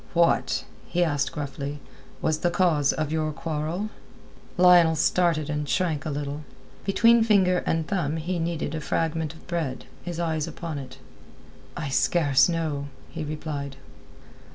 "What," he asked gruffly, "was the cause of your quarrel?" Lionel started and shrank a little; between finger and thumb he kneaded a fragment of bread, his eyes upon it. "I scarce know," he replied.